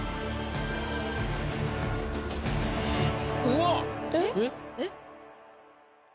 うわっ⁉えっ？